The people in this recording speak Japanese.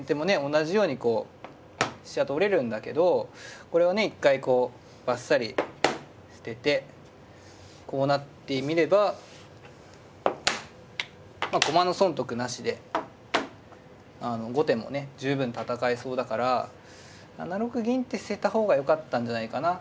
同じようにこう飛車取れるんだけどこれをね一回こうばっさり捨ててこうなってみれば駒の損得なしで後手もね十分戦えそうだから７六銀って捨てた方がよかったんじゃないかな。